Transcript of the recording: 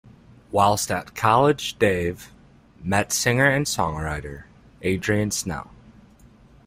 Whilst at college Dave, met singer and songwriter Adrian Snell.